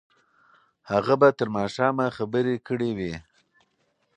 هغه به تر ماښامه خبرې کړې وي.